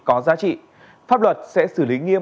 có giá trị pháp luật sẽ xử lý nghiêm